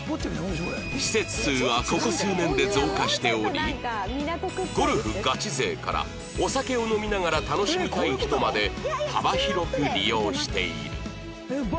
施設数はここ数年で増加しておりゴルフガチ勢からお酒を飲みながら楽しみたい人まで幅広く利用している